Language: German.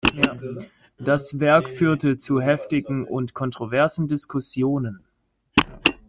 Das Werk führte zu heftigen und kontroversen Diskussionen.